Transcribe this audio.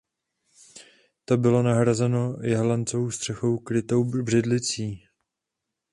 To bylo nahrazeno jehlancovou střechou krytou břidlicí.